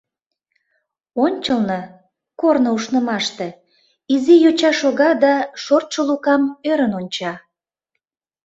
Ончылно, корно ушнымаште, изи йоча шога да шортшо Лукам ӧрын онча.